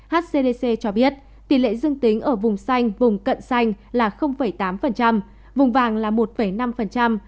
hcdc cho biết tỷ lệ dương tính ở vùng xanh vùng cận xanh là tám vùng vàng là một năm